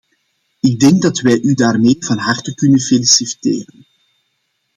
Ik denk dat wij u daarmee van harte kunnen feliciteren.